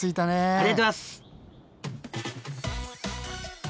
ありがとうございます。